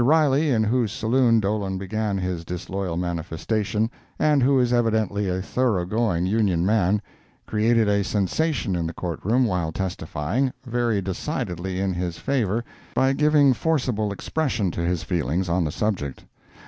Riley, in whose saloon Dolan began his disloyal manifestation, and who is evidently a thorough going Union man, created a sensation in the Court room while testifying, very decidedly in his favor, by giving forcible expression to his feelings on the subject.